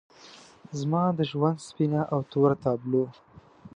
زما د ژوند سپینه او توره تابلو